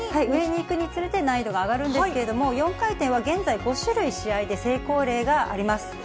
上にいくにつれて難易度が上がるんですけれども、４回転は現在５種類、試合で成功例があります。